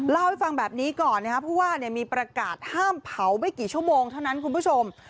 เล่าให้ฟังแบบนี้ก่อนนะครับเพราะว่ามีประกาศห้ามเผาไม่กี่ชั่วโมงเท่านั้นคุณผู้ชม